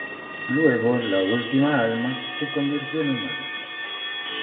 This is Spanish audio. Luego la última alma se convirtió en la humana.